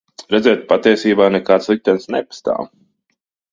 Redziet, patiesībā nekāds liktenis nepastāv.